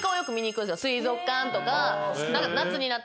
水族館とか。